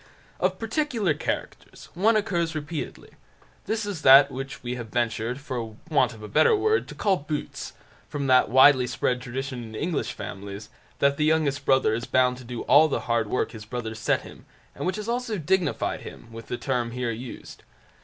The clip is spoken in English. Of particular characters, one occurs repeatedly. This is that which we have ventured, for want of a better word, to call "Boots", from that widely spread tradition in English families, that the youngest brother is bound to do all the hard work his brothers set him, and which has also dignified him with the term here used.